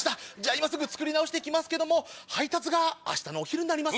今すぐ作り直して来ますけども配達が明日のお昼になります。